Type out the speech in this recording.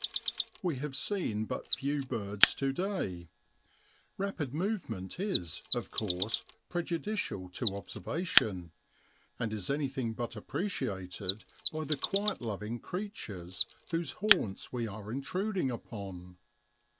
We have seen but few birds to day. Kapid movement is, of course, prejudi cial to observation, and is anything but appreciated by the quiet loving creatures whose haunts we are intruding upon.